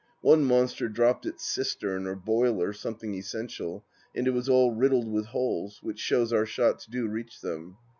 One monster dropped its cistern, or boiler — something essraitial — and it was all riddled with holes, which shows our shots do reach them.